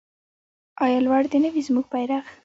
آیا لوړ دې نه وي زموږ بیرغ؟